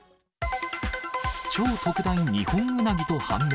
超特大ニホンウナギと判明。